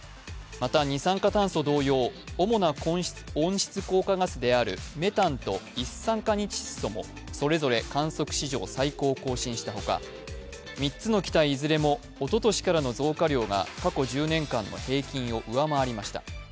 また、二酸化炭素同様主な温室効果ガスであるメタンと一酸化二窒素もそれぞれ観測史上最高を更新したほか、３つの気体いずれもおととしからの増加量が過去１０年間の平均を上回りました。